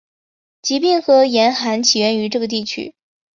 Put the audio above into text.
疾病和严寒起源于这个地区。